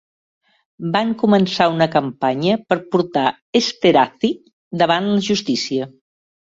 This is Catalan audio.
Van començar una campanya per portar Esterhazy davant la justícia.